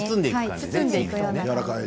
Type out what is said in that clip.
包んでいくのね。